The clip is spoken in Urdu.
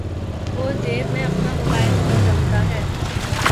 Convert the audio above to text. وہ جیب میں اپنا موبائل فون رکھتا ہے۔